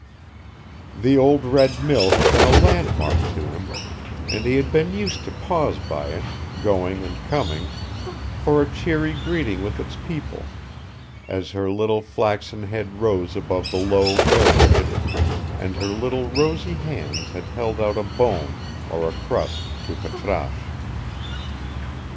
The old red mill had been a landmark to him, and he had been used to pause by it, going and coming, for a cheery greeting with its people as her little flaxen head rose above the low mill wicket, and her little rosy hands had held out a bone or a crust to Patrasche.